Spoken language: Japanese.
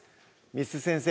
簾先生